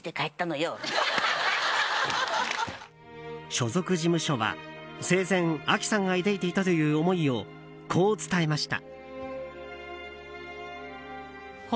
所属事務所は生前、あきさんが抱いていたという思いをこう伝えました。